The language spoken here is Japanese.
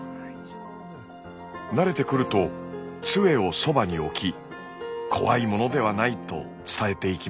慣れてくるとつえをそばに置き「怖いものではない」と伝えていきました。